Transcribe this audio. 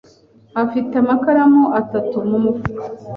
afite amakaramu atatu mu mufuka.